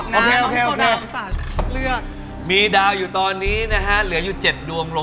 ในปี๒๐๑๘เราแก่งที่คิดว่า